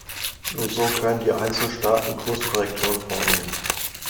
Nur so können die Einzelstaaten Kurskorrekturen vornehmen.